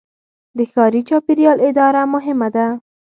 د ښاري چاپیریال اداره مهمه ده.